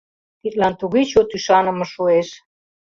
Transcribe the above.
Тидлан туге чот ӱшаныме шуэш!